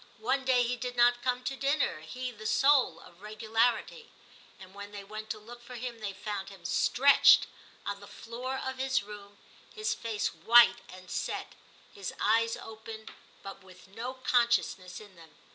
One day he did not come to dinner, he the soul of regularity ; and when they went to look for him they found him stretched on the floor of his room, his face white and set, his eyes open, but with no consciousness in them.